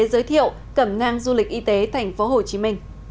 giới thiệu cẩm nang du lịch y tế tp hcm